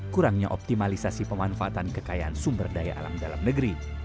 kurangnya optimalisasi pemanfaatan kekayaan sumber daya alam dalam negeri